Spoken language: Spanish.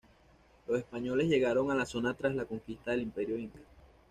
Los españoles llegaron a la zona tras la conquista del Imperio inca.